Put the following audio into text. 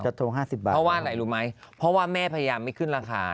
โทร๕๐บาทเพราะว่าอะไรรู้ไหมเพราะว่าแม่พยายามไม่ขึ้นราคา